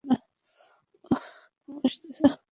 এটাও তাদের ভ্রান্ত ধারণা।